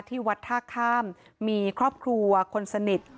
ที่วัดท่าข้ามมีครอบครัวคนสนิท